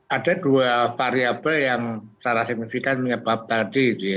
ada dua variable yang sangat signifikan menyebabkan tadi